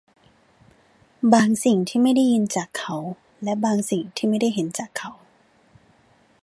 บางสิ่งที่ไม่ได้ยินจากเขา และบางสิ่งที่ไม่ได้เห็นจากเขา